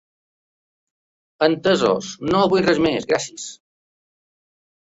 Entesos, no vull res més, gracies.